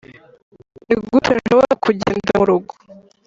nigute nshobora kugenda murugo